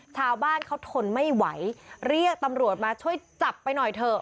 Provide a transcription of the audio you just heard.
ชาวบ้านเขาทนไม่ไหวเรียกตำรวจมาช่วยจับไปหน่อยเถอะ